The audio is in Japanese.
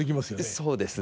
そうですね。